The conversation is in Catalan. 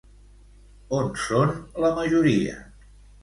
On són la majoria?